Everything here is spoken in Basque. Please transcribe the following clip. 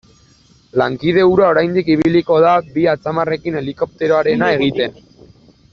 Lankide hura oraindik ibiliko da bi atzamarrekin helikopteroarena egiten.